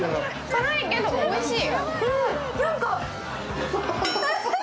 辛いけどおいしい。